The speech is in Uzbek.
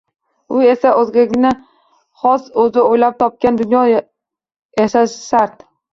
U esa oʻzigagina xos, oʻzi oʻylab topgan dunyoda yashashi shart